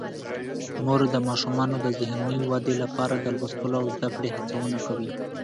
مور د ماشومانو د ذهني ودې لپاره د لوستلو او زده کړې هڅونه کوي.